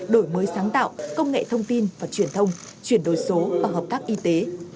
đổi mới sáng tạo công nghệ thông tin và truyền thông chuyển đổi số và hợp tác y tế